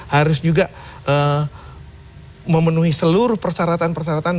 harus juga memenuhi seluruh persyaratan persyaratan